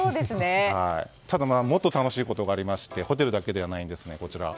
もっと楽しいことがありましてホテルだけではないんです。